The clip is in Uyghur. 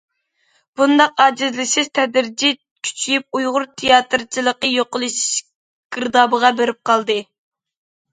بۇنداق ئاجىزلىشىش تەدرىجىي كۈچىيىپ، ئۇيغۇر تىياتىرچىلىقى يوقىلىش گىردابىغا بېرىپ قالدى.